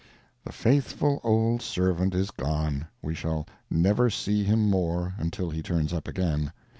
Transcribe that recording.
The faithful old servant is gone! We shall never see him more until he turns up again.